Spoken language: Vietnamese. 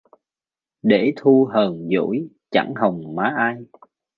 Để Thu hờn dỗi chẳng hồng má ai